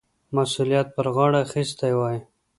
مسؤلیت پر غاړه اخیستی وای.